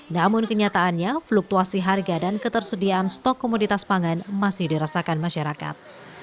namun kenyataannya fluktuasi harga dan ketersediaan stok komoditas pangan masih dirasakan masyarakat